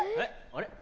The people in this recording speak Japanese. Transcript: あれ？